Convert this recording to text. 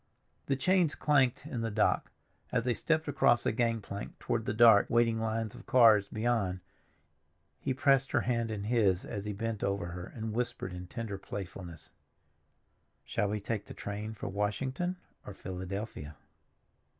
The chains clanked in the dock. As they stepped across the gangplank toward the dark, waiting lines of cars beyond, he pressed her hand in his as he bent over her, and whispered in tender playfulness, "Shall we take the train for Washington or Philadelphia?"